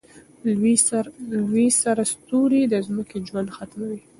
لوی سره ستوری د ځمکې ژوند ختموي.